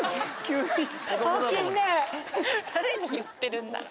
誰に言ってるんだろう。